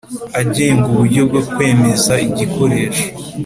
agenga uburyo bwo kwemeza igikoresho .